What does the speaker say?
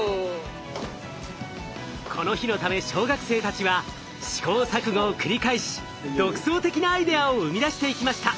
この日のため小学生たちは試行錯誤を繰り返し独創的なアイデアを生み出していきました。